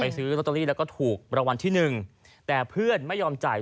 ซื้อลอตเตอรี่แล้วก็ถูกรางวัลที่หนึ่งแต่เพื่อนไม่ยอมจ่าย